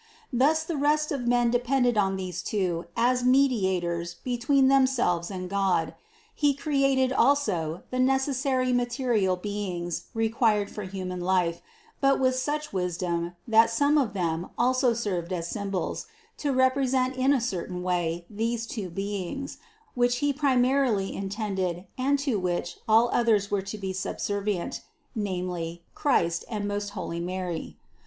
Thus the rest of men de pended on these Two as Mediators between themselves and God. He created also the necessary material beings required for human life, but with such wisdom, that some of them also serve as symbols, to represent in a certain way these two Beings, which He primarily in tended and to which all others were to be subservient, namely, Christ and most holy Mary.